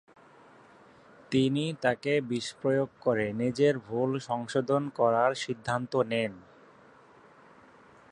তিনি তাঁকে বিষপ্রয়োগ করে নিজের ভুল সংশোধন করার সিদ্ধান্ত নেন।